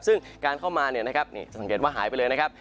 ซึ่งการเข้ามาเนี่ยนะครับนี่จะสังเกตว่าหายไปเลยนะครับ